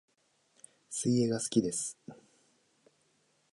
水泳が好きです